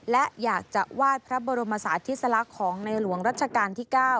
และอยากจะวาดพระบรมศาสติสลักษณ์ของในหลวงรัชกาลที่๙